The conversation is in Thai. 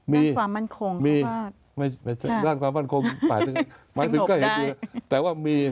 นั่นความบ้านคงพวกเราบ้านสงบได้